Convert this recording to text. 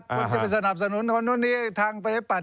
คุณจะไปสนับสนุนคนนู้นนี้ทางประชาธิปัต